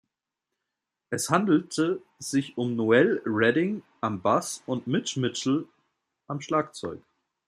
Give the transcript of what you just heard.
Es handelte sich um Noel Redding am Bass und Mitch Mitchell am Schlagzeug.